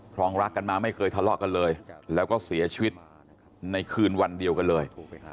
รองรักกันมาไม่เคยทะเลาะกันเลยแล้วก็เสียชีวิตในคืนวันเดียวกันเลย